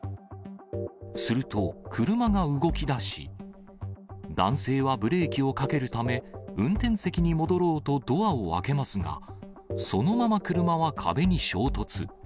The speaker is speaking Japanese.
すると、車が動きだし、男性はブレーキをかけるため、運転席に戻ろうとドアを開けますが、そのまま車は壁に衝突。